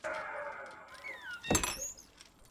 ¬ يار دي مي تور جت وي، زما دي اسراحت وي.